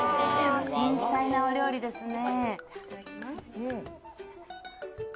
繊細なお料理ですね。